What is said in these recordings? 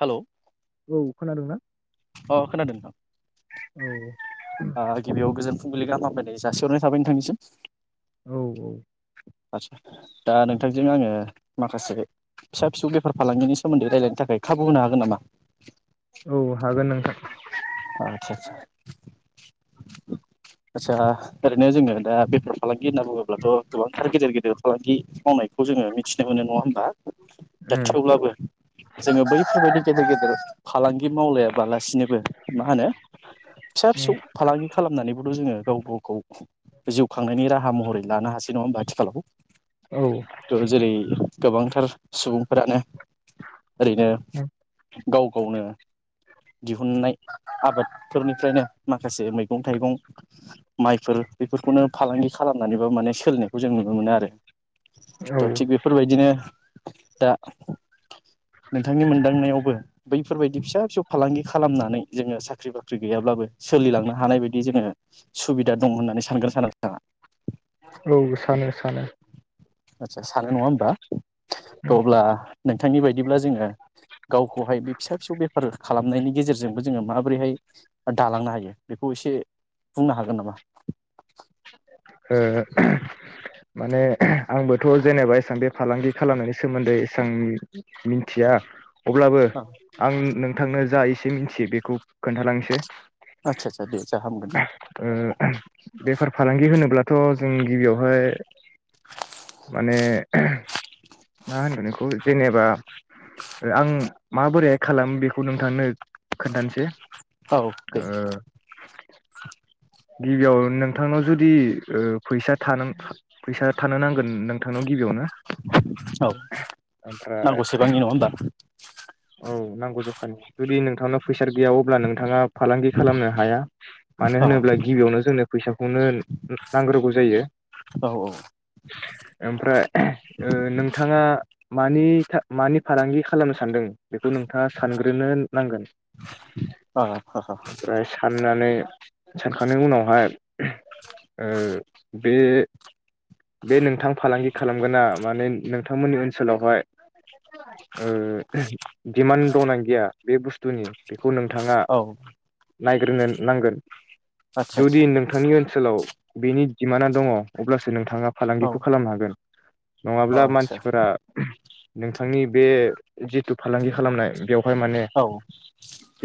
Hello. औ खोनादोंना? अ खोनादों। औ अ गिबियाव गोजोन फुंबिलि गाहाम हामग्लायनाय जासिहरनाय थाबाय नोंथांनिसिम। औ औ। आचसा दा नोंथांजों आङो माखासे फिसा फिसौ बेफार फालांगिनि सोमोन्दै रायलायनो थाखाय खाबु होनो हागोन नामा? औ हागोन नोंथां। आच्छा आच्छा आच्छा ओरैनो जोङो दा बेफार फालांगि होनना बुङोब्लाथ' गोबांथार गेदेर गेदेर फालांगि मावनायखौ जोङो मिथिनो मोनो नङा होमबा? दा उम थेवब्लाबो जोङो बैफोरबायदि गेदेर गेदेर फालांगि मावलायाबालासिनोबो मा होनो फिसा फिसौ फालांगि खालामनानै। थ' जोङो गाव गावखौ जिउ खांनायनि राहा महरै लानो हासै नङा होमबा आथिखालाव। उम त जेरै गोबांथार सुबुंफोरानो ओरैनो गाव गावनो दिहुननाय आबादफोरनिफ्रायनो माखासे मैगं थाइगं माइफोर बेफोरखौनो फालांगि खालामनानैबो माने सोलिनायखौ जों नुनो मोनो आरो। औ थ' थिग औ बेफोरबायदिनो दा नोंथांनि मोनदांनायावबो बैफोरबायदि फिसा फिसौ फालांगि खालामनानै जोङो साख्रि बाख्रि गैयाब्लाबो सोलिलांनो हानाय बायदि जोङो सुबिदा दं होननानै सानगोन साना [unintelligible] औ सानो सानो। सा-सानो नङा होमबा त' उम अब्ला नों थांनि बायदिब्ला जोङो गावखौहाय बे फिसा फिसौ बेफार खालामनायनि गेजेरजोंबो जोङो माबोरैहाय दालांनो हायो बेखौ एसे बुंनो हागोन नामा? ओ माने आंबोथ' जेनेबा एसां बे फालांगि खालामनायनि सोमोन्दै एसां मिनथिया अब्लाबो आं नों थांनो जा एसे मिथियो बेखौ खोन्थालांनोसै। आदसा आदसा दे जा हामगोन ओ बेफार फालांगि होनो अब्लाथ' जों गिबियावहाय माने मा होनगोन बेखौ जेनेबा आं माबोरैहाय खालामो बेखौ नोंथांनो खोन्थानोसै। औ दे ओ गिबियाव नोंथांनाव जुदि ओ फैसा [unintelligible] फैसा थानो नांगोन नोंथांनाव गिबियावनो। औ ओमफ्राय नांगौसेबांनि नङा ओमबा? गौ जखानि जुदि नोंथांनाव फैस गैया अब्ला नोंथाङा फालांगि खालामनो हाया मानो अ होनोब्ला गिबियावनो जोंनो फैसाखौनो नांग्रोगौ जायो औ ओमफ्राय ओ नोंथांङा मानि मानि फालांगि खालामनो सानदों? बेखौ नोंथांङा सानग्रोनो नांगोन औ अ ओमफ्राय साननानै [inaudible] सानखांनायनि उनावहाय ओ बे बे नोंथां फालांगि खालामगोना माने नोंथांमोननि ओनसोलावहाय ओ दिमान्ड दंना गैया बे बुस्थुनि खौ नोंथांङा औ नायग्रोनो नांगोन। आदसा आदसा जुदि नोंथांनि ओनसोलाव बेनि दिमानआ दङ अब्लासो नोंथा नोंथांङा औ फालांगिखौ खालामनो हागोन। नङाब्ला आदसा मानसिफोरा नोंथांनि बे जिथु फालांगि खालामनाय बेव बेवहाय माने औ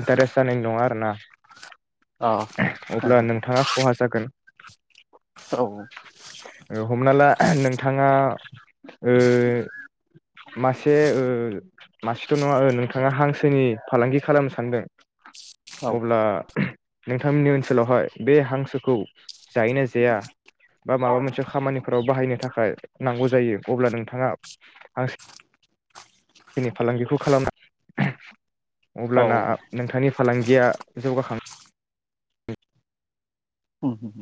इन्टारेस्ट जानाय नङा आरोना? अ औ अब्ला नोंथांङा खहा जागोन। ओ हमना ला नोंथांङा ओ मासे ओ मासेथ नङा ओ नोंथांङा हांसो [unintelligible] फालांगि खालामनो सानदों। औ अब्ला नोंथांमोननि ओनस सोलावहाय बे हांसोखौ जायोना जाया बा माबा मोनसे खामानिफोराव बाहायनो थाखाय नांगौ जायो अब्ला नोंथाङा हांसोनि फालांगिखौ खालामना औ अब्लाना नोंथांनि फालांगिया जौगाखां उम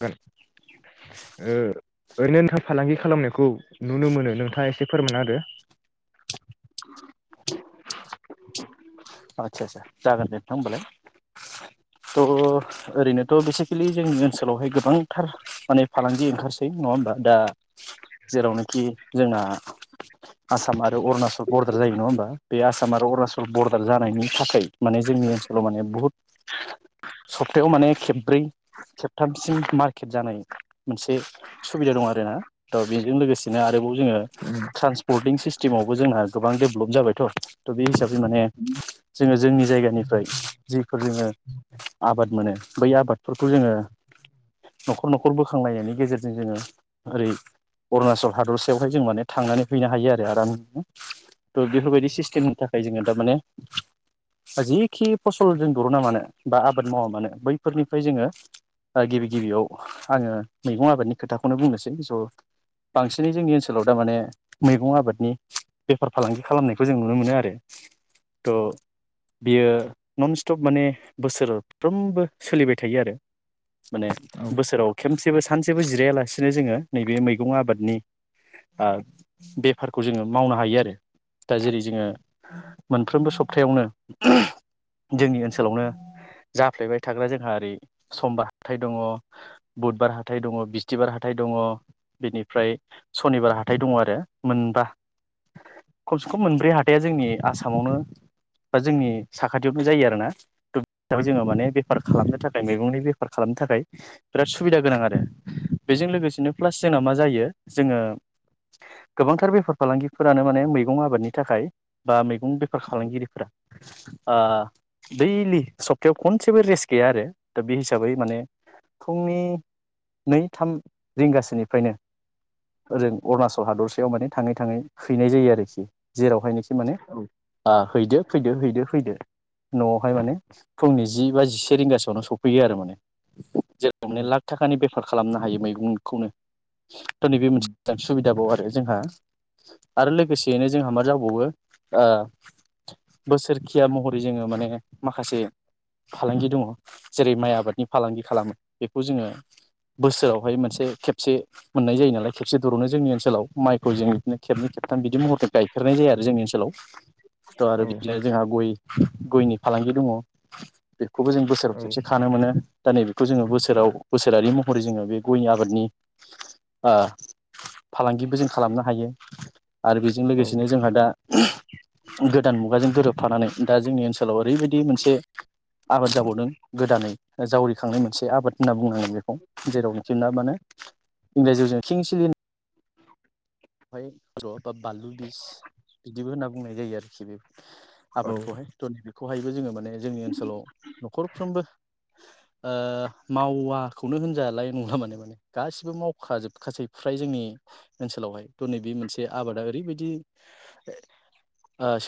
[unintelligible] ओ ओरैनो नोंथांङा फालांगि खालामनायखौ नुनो मोनो नोंथांङा एसे फोरमाना होदो। आदसा जागोन दे नोंथां होमबालाय थ ओरैनोथ बेसिकेलि जोंनि ओनसोलावहाय गोबांथार माने फालांगि ओंखारसै नङा होमबा दा जेरावनोखि जोंना आसामा। बे अरुणचल बरदार जायो नङा होमबा बे आसाम। [unintelligible] अरुणाचल बर दार जानायनि थाखै। माने जोंनि ओनसोलाव माने बुहुद सप्तायाव माने खेबब्रै खेबथामसिम मार्केट जानाय। मोनसे सुबिदा दं आरोना त' बेजों लोगोसेनो। आरोबाव जोङो ट्रान्सपर्टिं सिस्टेमावबो जोंहा। गोबां डेभलप जाबायथ' थ' बे हिसाबै माने। जोङो जोंनि जायगानिफ्राय जिफोर जोङो आबाद मोनो बै आबादफोरखौ जोङो न'खर न'खर बोखांलायनायनि गेजेरजों जोङो ओरै अरुणाचल हादरसायावहाय जों माने थांनानै हैनो हायो आरो आरामनो थ' बेफोरबायदि सिस्टेमनि थाखाय जोङो थारमाने। जिखि फसल जों दर'ना मानो बा आबाद मावा मानो बैफोरनिफ्राय जोङो गिबि गिबियाव आङो मैगं आबादनि खोथाखौनो बुंनोसै स' बांसिनै जोंनि ओनसोलाव थारमाने मैगं आबादनि बेफार फालांगि खालामनायखौ जों नुनो मोनो आरो त' बियो ननस्टप माने बोसोरफ्रोमबो सोलिबाय थायो आरो माने औ बोसोराव खेमसे। बो सानसेबो जिरायालासेनो जोङो नैबे मैगं आबादनि ओ बेफारखौ जोङो मावनो हायो आरो दा जेरै जोङो। फ्रोमबो सप्थायावनो जोंनि ओनसोलावनो जाफ्लेबाय थाग्रा जोंहा ओरै समबार हाथाइ दङ' बुधबार हाथाइ दङ' बिस्थिबार हाथाइ दङ' बेनिफ्राय सनिबार हाथाइ दङ' आरो मोनबा खमसे खम मोनब्रै हाथाइया जोंनि आसामावनो। बा जोंनि साखाथियावनो जायो आरोना। जोङो माने बेफार खालामनो था [unintelligible] मैगंनि बेफार खालामनो थाखाय बिराद सुबिदा गोनां आरो बेजों लोगोसेनो प्लास जोंना मा जायो जोङो गोबांथार बेफार फालांगिफोरानो माने मैगं आबादनि थाखाय बा मैगं। बेफार फालांगिरिफोरा ओ दैलि सप्थायायाव खनसेबो रेस्ट गैया आरो दा बे हिसाबै माने फुंनि नै थाम रिंगासोनिफ्रायनो ओरै अरुणाचल हादरसायाव माने थाङै थाङै हैनाय जायो आरोखि। जेरावहायनोखि माने। औ हैदो फैदो हैदो फैदो न'आवहाय माने। फुंनि जि बा जिसे रिंगासोआवनो सफैयो आरो माने जेराव माने लाख थाखानि बेफार खालामनो हायो मैगंखौनो। त' नैबे उम मोनसे [unintelligible] सुबिदा बाव आरो जोंहा आरो लोगोसेयैनो जोंहा मा जाबावो ओ। बोसोरखिया महरै जोङो माने माखासे फालांगि दङ' जेरै माइ आबादनि फालांगि खालामो बेखौ जोङो बोसोरावहाय मोनसे खेबसे मोननाय जायो नालाय खेबसे दरावनो जोंनि ओनसोलाव माइखौ जों बिदिनो। खेबनै खेबथाम बिदि महर [unintelligible] गायफेरनाय जायो आरो जोंनि ओनसोलाव। त' आरो औ बिदोनो जोंहा गय। गयनि फालांगि दङ' बे खौबो जों बोसोराव औ खेबसे खानो मोनो। दा नैबेखौ जोङो बोसोराव बोसोरारि महरै जोङो बे गय आबादनि ओ फालांगिबो जों खालामनो हायो। आरो बेजों लोगोसेनो जोंहा दा। गोदान मुगाजों गोरोबफानानै। दा जोंनि ओनसोलाव ओरैबायदि मोनसे आबाद जाबावदों गोदानै जावरिखांनाय मोनसे आबाद होनना बुंनो हायो बेखौ जेराव [unintelligible] [unintelligible] बा बानलु बिस बिदिबो होनना बुंनाय जायो आरोखि बे औ आबादखौहाय थ' नै बेेखौहायबो जोङो माने जोंनि ओनसोलाव न'खरफ्रोमबो ओ मावाखौनो होनजालाय नंला माने माने गासिबो मावखाजोबखासै फ्राय जोंनि ओनसोलावहाय। त'नैबे मोनसे आबादा ओरैबायदि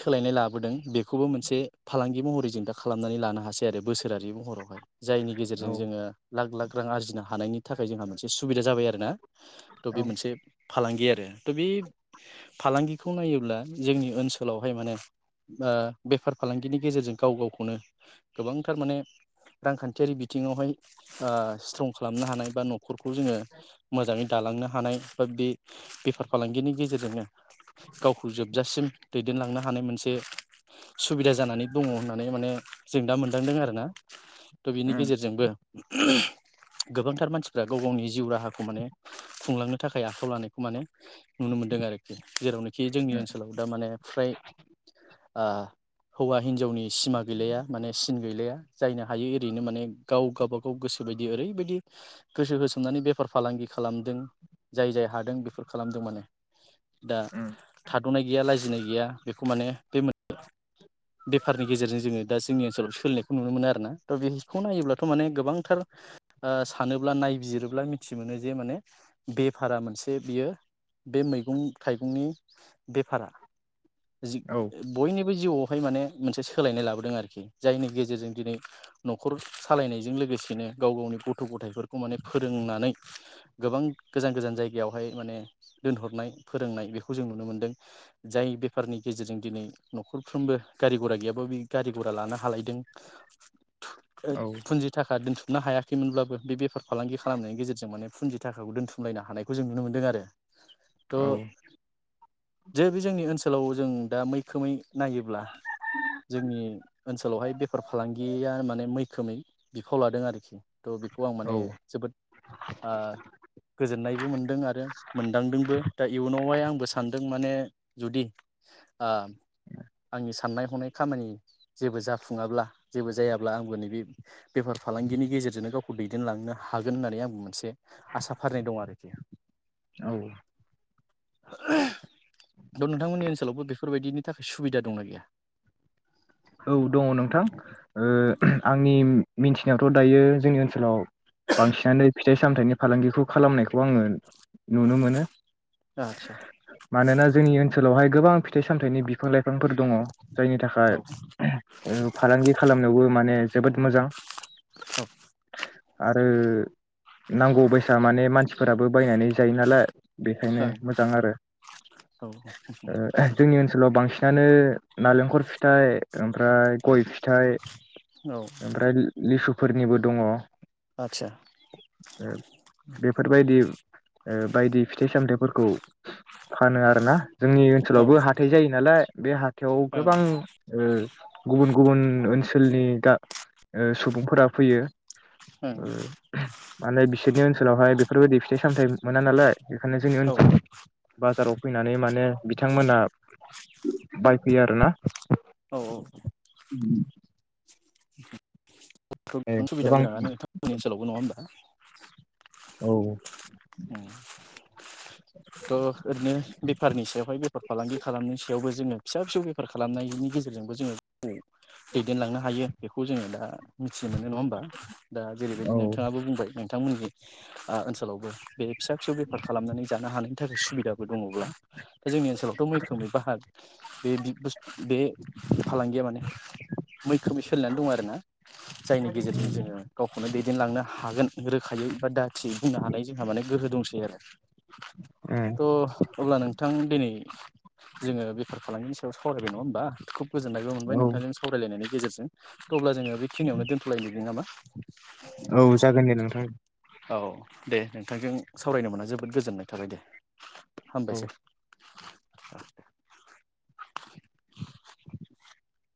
सोलायनाय लाबोदों बेखौबो मोनसे फालांगि महरै जों दा खालामनानै लानो हासै आरो बोसोरारि महरावहाय जायनि औ गेजेरजों जोङो लाख लाख रां आरजिनो हानायनि थाखाय जोंहा मोनसे सुबिदा जाबाय आरोना त' बे औ मोनसे फालांगि आरो त' बे फालांगिखौ नायोब्ला जोंनि ओनसोलावहाय माने बेफार फालांगिनि गेजेरजों गाव गावखौनो गोबांथार माने रांखान्थियारि बिथिङावहाय ओ स्ट्रं खालामनो हानाय बा न'खरखौ जोङो मोजाङै दालांनो हानाय बा बे बेफार। फालांगिनि गेजेरजोंनो गावखौ जोबजासिम दैदेनलांनो हानाय मोनसे सुबिदा जानानै दङ' होननानै माने जों दा मोनदांदों आरो ना। त' बिनि उम गेजेरजोंबो [unintelligible] गोबांथार मानसिफ्रा गाव गावनि जिउ राहाखौ माने खुंलांनो थाखाय आखायाव लानायखौ माने नुनो मोनदों आरोखि जेरावनोखि जोंनि उम ओनसोलाव दा माने फ्राय आ हौवा हिनजावनि सिमा गैलाया माने सिन गैलाया जायनो हायो इरैनो माने गाव गावबागाव गोसो बायदि ओरैबायदि गोसो होसोमनानै बेफार फालांगि खालामदों जाय जाय हादों बेफोर खालामदों माने। दा उम थाद'नाय गैया लाजिनाय गैया। बेखौ माने बे [unintelligible] बेफारनि गेजेरजों जोङो दा जोंनि ओनसोलाव सोलिनायखौ नुनो मोनो आरो ना। थ' बेसखौ नायोब्लाथ' माने गोबांथार आ सानोब्ला नायबिजिरोब्ला मिथि मोनो जे माने बेफारा मोनसे बियो बे मैगं थाइगंनि बेफारा जि औ बयनिबो जिउ हाय माने मोनसे सोलायनाय लाबोदों आरोखि जायनि गेजेरजों दिनै नखर सालायनायजों लोगोसेनो गाव गावनि गथ' गथाइफोरखौ माने फोरोंनानै गोबां गोजान गोजान जायगायावहाय माने दोनहरनाय फोरोंनाय बेखौ जों नुनो मोनदों जाय बेफारनि गेजेरजों दिनै नखरफ्रोमबो गारि घरा गैयाब्ला बे गारि घरा लानो हालायदों। औ [unintelligible] फुन्जि थाखा दोनथु नो हायाखैमोनब्लाबो बेफार फालांगि खालामनायनि गेजेरजों माने फुन्जि थाखाखौ दोन्थुमलायनो हानायखौ जों नुनो मोन्दों आरो। थ औ जे बे जोंनि ओनसोलाव जों दा मैखोमै नायोब्ला जोंनि ओनसोलावहाय बेफार फालांगिया माने मैखोमै बिफाव लादों आरोखि। थ' बेखौ आं माने जोबोद ओ गोजोननायबो मोनदों आरो मोनदांदोंबो दा इयुनावहाय आंबो सानदों माने जुदि आ आंनि साननाय हनाय खामानि जेबो जाफुङाब्ला जेबो जायाब्ला आंबो नैबे बेफार फालांगिनि गेजेरजोंनो गावखौ दैदेनलांनो हागोन होननानै आंबो मोनसे आसा फारिनाय दं आरोखि। औ। [unintelligible] द नोंथांमोननि ओनसोलावबो बेफोरबायदिनि थाखाय सुबिदा दंना गैया? औ दङ नोंथां ओ आंनि म-मिथिनायावथ' दायो जोंनि ओनसोलाव बांसिनानो फिथाइ सामथाइनि फालांगिखौ खालामनायखौ आङो नुनो मोनो आदसा मानोना जोंनि ओनसोलावहाय गोबां फिथाइ सामथाइनि बिफां लाइफांफोर दङ। जायनि थाखाय औ [unintelligible] ओफालांगि खालामनायावबो माने जोबोद मोजां। [unintelligible] आरो नांगौ बैसा माने मानसिफोराबो बायनानै जायो नालाय। बेखायनो ओं मोजां आरो औ ओ जोंनि ओनसोलाव बांसि आनो नालेंखर फिथाइ ओमफ्राय गय फिथाइ औ ओमफ्राय लिसु फोरनिबो दङ। आदसा [inaudible] बेफोरबायदि ओ बायदि फिथाइ सामथायाइफोरखौ फानो आरोना। जोंनि औ ओनसोलावबो ओं हाथाइ जायो नालाय बे हाथायाव गोबां ओ गुबुन गुबुन ओनसोलनि गा ओ सुबुंफोरा फैयो। ओं उम माने बिसोरनि ओनसोलावहाय बेफोरबायदि फिथाइ सामथाइ मोना नालाय। बेखायनो जोंनि औ ओनसोलाव बाजाराव फैनानै माने बिथांमोना बाय फैयो आरो ना औ औ उम [inaudible] गोबां सुबिदा गोनाङानो नोंथांमोननि ओनसोलावबो नङा होमबा औ उम थ' ओरैनो बेफारनि सायावहाय बे फार फालांगि खालामनायनि सायावबो जोङो फिसा फिसौ बे फार खालामनायनि गेजेरजोंबो जोङो उम दैदेनलांनो हायो। जोङो दा मिथिनो मोनो नङा होमबा। दा जेरैबायदि औ नोंथाङाबो बुंबाय उम थांमोननि आ ओनसोलावबो बे फिसा फिसौ बेफार खालामनानै जानो हानायनि थाखाय सुबिदाबो दङब्ला दा जोंनि ओनसोलावथ' मैखोमै बाहाग बे बि बुस बे फालांगिया माने मैखोम सोलिनानै दं आरोना जायनि गेजेरजों जोङो गावखौनो दै देनलांनो हागोन रोखायै बा दाथियै बुंनो हानाय जोंहा माने गोहो दंसै आरो थ' अब्ला नोंथां दिनै जोङो बेफार खालांगिनि सा सावरायबाय नङा होनोमबा खोब गोजोन्नायबो मोनबाय औ नोंथांजों सावरायलायनानै गेजेरजों अब्ला जोङो बेखिनियावनो दोनथ'लायनिदि नामा औ जागोन दे नोंथां औ दे नोंथांजों सावरायनो मोना जोबोद गोजोननाय थाबाय दे। औ हामबायसै। [inaudible]